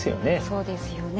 そうですよね。